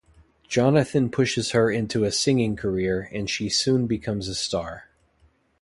Jonathan pushes her into a singing career, and she soon becomes a star.